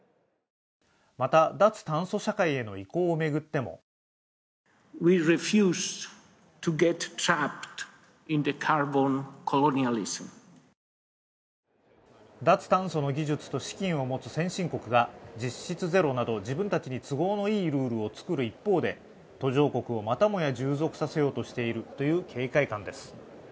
また、脱酸素社会への移行を巡っても脱炭素の技術と資金を持つ先進国が実質ゼロなど自分たちに都合のいいルールを作る一方で、途上国をまたもや従属させようとしているという警戒感です。